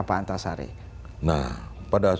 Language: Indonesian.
pak antasarudin nah pada